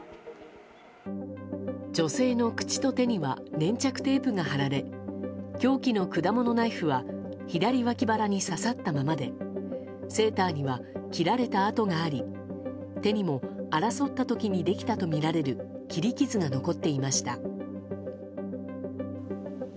女性の口と手には粘着テープが貼られ凶器の果物ナイフは左脇腹に刺さったままでセーターには切られた跡があり手にも争った時にできたとみられる切り傷が残っていました。